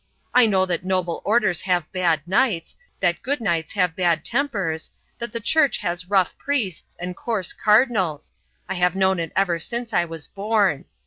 I know that noble orders have bad knights, that good knights have bad tempers, that the Church has rough priests and coarse cardinals; I have known it ever since I was born.